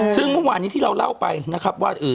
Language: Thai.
ซึ่งเมื่อวานนี้ที่เราเล่าไปนะครับว่า